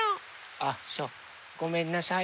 あっそうごめんなさい。